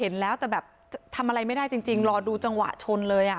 เห็นแล้วแต่แบบทำอะไรไม่ได้จริงรอดูจังหวะชนเลยอ่ะ